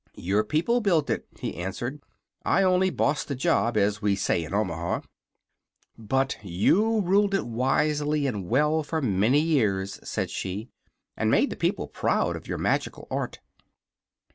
"Your people built it," he answered. "I only bossed the job, as we say in Omaha." "But you ruled it wisely and well for many years," said she, "and made the people proud of your magical art.